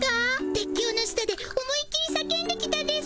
鉄橋の下で思いっきり叫んできたです。